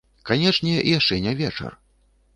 Канечне, яшчэ не вечар.